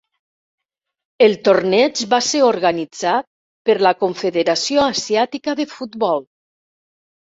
El torneig va ser organitzat per la Confederació Asiàtica de Futbol.